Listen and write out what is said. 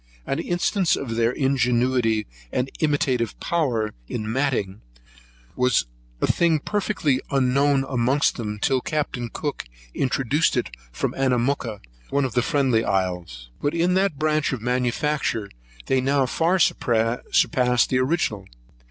An instance of their ingenuity and imitative powers in matting, was a thing perfectly unknown amongst them till Captain Cook introduced it from Anamooka, one of the Friendly Isles: but in that branch of manufacture they now far surpass their original.